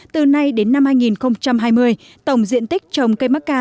từ nay đến năm hai nghìn hai mươi tổng diện tích trồng cây macca